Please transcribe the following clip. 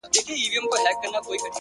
زړه مي له رباب سره ياري کوي؛